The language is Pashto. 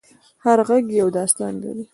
هر غږ یو داستان لري.